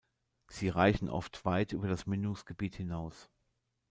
Sie reichen oft weit über das Mündungsgebiet hinaus.